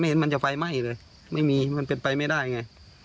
เห็นมันจะไฟไหม้เลยไม่มีมันเป็นไปไม่ได้ไง